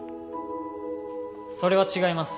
それは違います